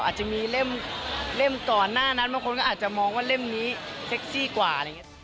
อาจจะมีเล่มต่อหน้านั้นบางคนก็อาจจะมองว่าเล่มนี้เซ็กซี่กว่า